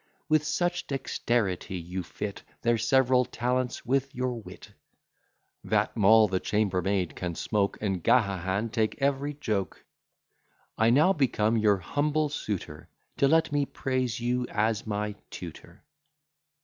With such dexterity you fit Their several talents with your wit, That Moll the chambermaid can smoke, And Gahagan take every joke. I now become your humble suitor To let me praise you as my tutor.